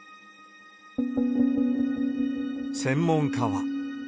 専門家は。